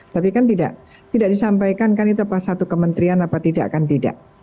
tapi kan tidak disampaikan kan itu pas satu kementerian apa tidak kan tidak